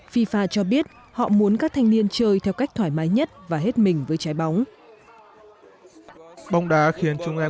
fifa cho biết họ muốn các thanh niên chơi theo cách thoải mái nhất và hết mình với trái bóng